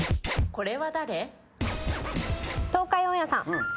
これは誰？